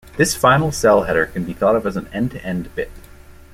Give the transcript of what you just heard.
This final cell header can be thought of as an "end-to-end bit".